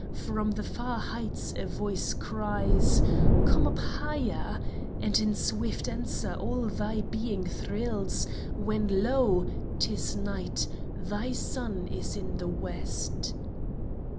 From the far heights a voice cries, " Come up higher !" And in swift answer all thy being thrills, When lo ! 'tis night — thy sun is in the west